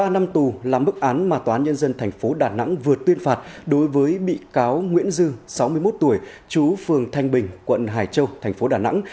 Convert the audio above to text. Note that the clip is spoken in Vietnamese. một mươi năm tù là bức án mà tòa án nhân dân tp đà nẵng vừa tuyên phạt đối với bị cáo nguyễn dư sáu mươi một tuổi chú phường thanh bình quận hải châu thành phố đà nẵng